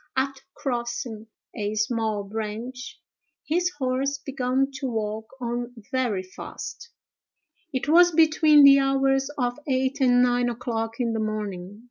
After crossing a small branch, his horse began to walk on very fast. It was between the hours of eight and nine o'clock in the morning.